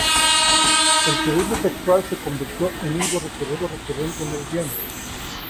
El turismo sexual se convirtió en un motivo recurrente en el guion.